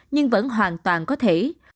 nhưng vẫn hoàn toàn có thể